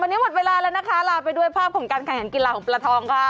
วันนี้หมดเวลาแล้วนะคะลาไปด้วยภาพของการแข่งขันกีฬาของปลาทองค่ะ